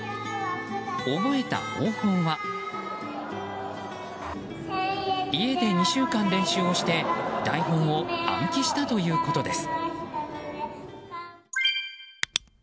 覚えた方法は家で２週間練習をして台本を暗記したということです。